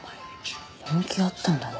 人気あったんだな。